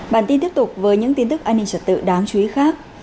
bản tin tiếp tục với những tin tức an ninh trật tự đáng chú ý khác